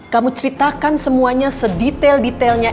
kamu ceritakan semuanya sedetail detailnya